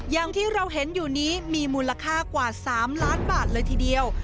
อย่างที่เราเห็นอยู่นี้มีมูลค่ากว่า๓ล้านบาทเลยทีเดียว